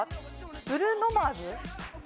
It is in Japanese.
ブルーノ・マーズ？